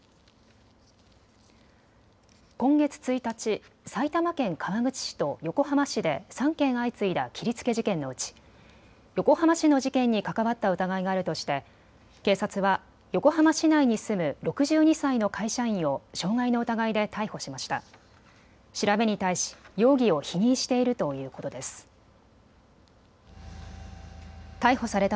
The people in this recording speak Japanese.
今月１日、埼玉県川口市と横浜市で３件相次いだ切りつけ事件のうち横浜市の事件に関わった疑いがあるとして警察は横浜市内に住む６２歳の会社員を傷害の疑いで逮捕しました。